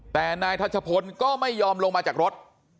แต่นายทัชพลก็ไม่ยอมลงมาจากรถ